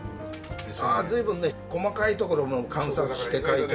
ああ随分ね細かいところも観察して描いて。